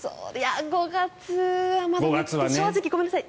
５月は正直ごめんなさい。